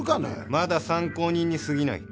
まだ参考人にすぎない。